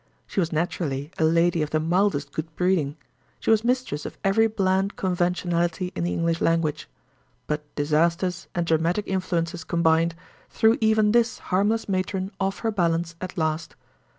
She was naturally a lady of the mildest good breeding: she was mistress of every bland conventionality in the English language—but disasters and dramatic influences combined, threw even this harmless matron off her balance at last.